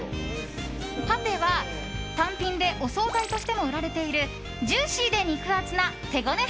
パテは、単品でお総菜としても売られているジューシーで肉厚な手ごね